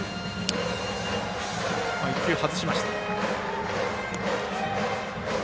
１球、外しました。